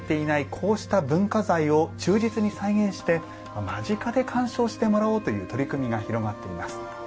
こうした文化財を忠実に再現して間近で鑑賞してもらおうという取り組みが広まっています。